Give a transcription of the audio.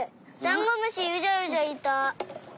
ダンゴムシうじゃうじゃいた！